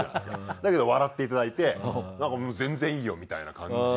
だけど笑っていただいて全然いいよみたいな感じ。